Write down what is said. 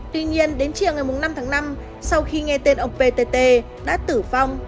tuy nhiên đến chiều ngày năm tháng năm sau khi nghe tên ông ptt đã tử vong